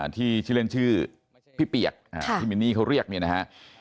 ที่ชื่อเล่นชื่อพี่เปียกพี่มินนี่เขาเรียกเนี่ยนะฮะ